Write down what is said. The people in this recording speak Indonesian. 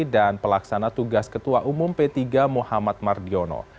dan pelaksana tugas ketua umum p tiga muhammad mardiono